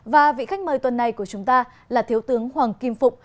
và vị khách mời tuần này của chúng ta là thiếu tướng hoàng kim phục